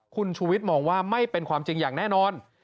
คุณชูวิทย์มองว่าไม่เป็นความจริงอย่างแน่นอน